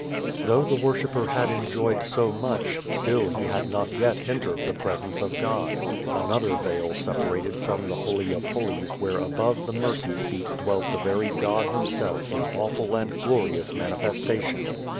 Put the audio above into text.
Though the worshipper had enjoyed so much, still he had not yet entered the Presence of God. Another veil separated from the Holy of Holies where above the mercy seat dwelt the very God Himself in awful and glorious manifestation.